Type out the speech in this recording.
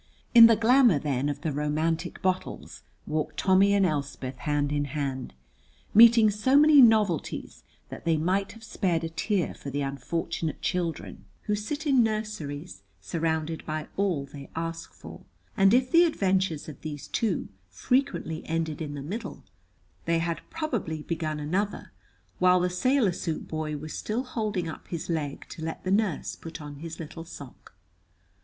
In the glamour, then, of the romantic battles walked Tommy and Elspeth hand in hand, meeting so many novelties that they might have spared a tear for the unfortunate children who sit in nurseries surrounded by all they ask for, and if the adventures of these two frequently ended in the middle, they had probably begun another while the sailor suit boy was still holding up his leg to let the nurse put on his little sock.